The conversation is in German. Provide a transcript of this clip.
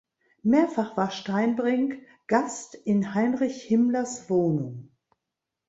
Mehrfach war Steinbrinck Gast in Heinrich Himmlers Wohnung.